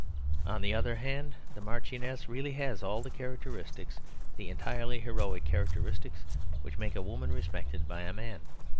On the other hand the Marchioness really has all the characteristics, the entirely heroic characteristics which make a woman respected by a man.